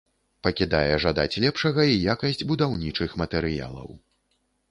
Пакідае жадаць лепшага і якасць будаўнічых матэрыялаў.